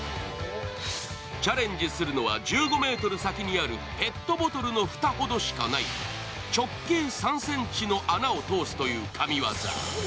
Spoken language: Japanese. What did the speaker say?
チャレンジするのは１５ｍ先にあるペットボトルの蓋ほどしかない直径３ｃｍの穴を通すという神業。